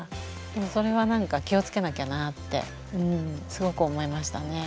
それはなんか気をつけなきゃなってすごく思いましたね。